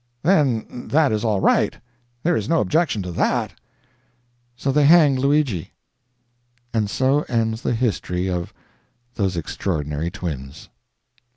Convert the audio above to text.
"Then that is all right there is no objection to that." So they hanged Luigi. And so ends the history of "Those Extraordinary Twins."